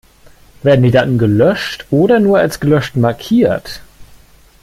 Werden die Daten gelöscht oder nur als gelöscht markiert?